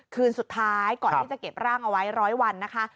คืนสุดท้ายก่อนที่จะเก็บร่างเอาไว้๑๐๐วันนะคะ